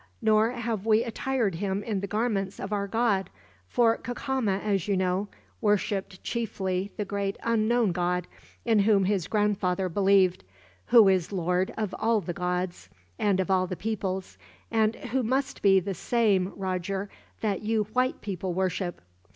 Nor have we attired him in the garments of our god. For Cacama, as you know, worshiped chiefly the great Unknown God, in whom his grandfather believed; who is Lord of all the gods, and of all peoples; and who must be the same, Roger, that you white people worship."